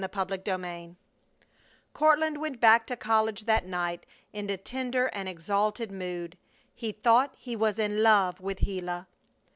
CHAPTER XXI Courtland went back to college that night in a tender and exalted mood. He thought he was in love with Gila!